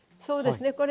そうですね